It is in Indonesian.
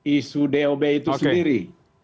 isu dob itu sendiri